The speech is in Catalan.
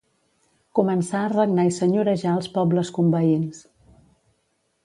Començà a regnar i senyorejar els pobles conveïns.